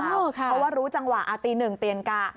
เพราะว่ารู้จังหวะตีหนึ่งเตียนกะ